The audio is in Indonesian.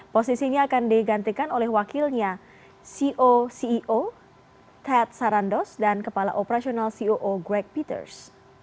posisinya akan digantikan oleh wakilnya ceo ceo ted sarandos dan kepala operasional ceo greg peters